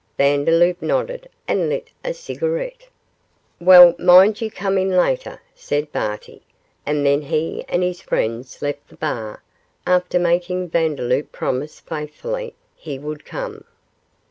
Vandeloup nodded, and lit a cigarette. 'Well, mind you come in later,' said Barty, and then he and his friends left the bar, after making Vandeloup promise faithfully he would come.